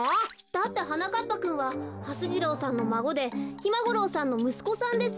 だってはなかっぱくんははす次郎さんのまごでひまごろうさんのむすこさんですよね？